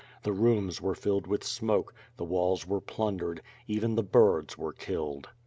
The rooms were filled with smoke; the walls were plundered; even the birds were killed.